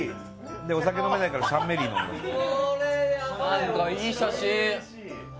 お酒飲めないからシャンメリー飲んでますけどね。